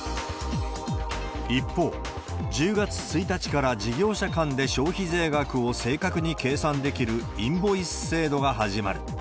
一方、１０月１日から事業者間で消費税額を正確に計算できるインボイス制度が始まる。